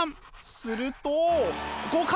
すると合格！